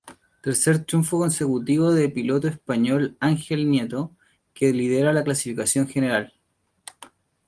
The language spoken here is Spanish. Tercer triunfo consecutivo del piloto español Ángel Nieto que lidera la clasificación general.